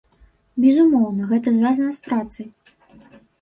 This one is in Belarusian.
Безумоўна, гэта звязана з працай.